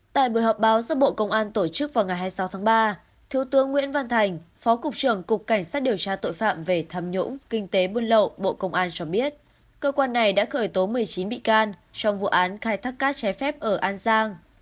tại buổi họp báo do bộ công an tổ chức vào ngày hai mươi sáu tháng ba thiếu tướng nguyễn văn thành phó cục trưởng cục cảnh sát điều tra tội phạm về tham nhũng kinh tế buôn lậu bộ công an cho biết cơ quan này đã khởi tố một mươi chín bị can trong vụ án khai thác cát trái phép ở an giang